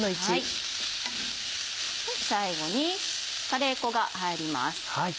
最後にカレー粉が入ります。